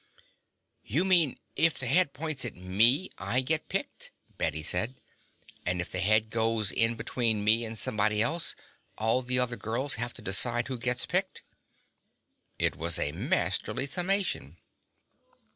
"You mean if the head points at me, I get picked," Bette said. "And if the head goes in between me and somebody else, all the other girls have to decide who gets picked." It was a masterly summation.